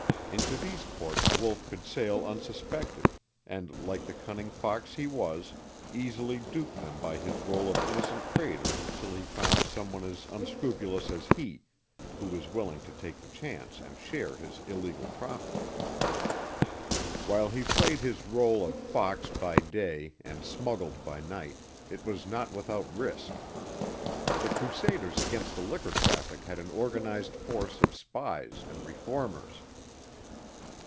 Into these ports Wolf could sail unsuspected, and, like the cunning fox he was, easily dupe them by his rôle of innocent trader till he found some one as unscrupulous as he, who was willing to take the chance and share his illegal profit. While he played his rôle of fox by day and smuggled by night, it was not without risk. The crusaders against the liquor traffic had an organized force of spies and reformers.